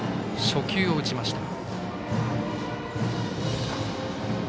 初球を打ちました。